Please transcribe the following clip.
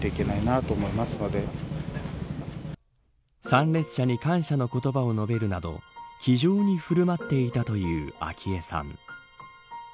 参列者に感謝の言葉を述べるなど気丈に振るまっていたという昭恵さん。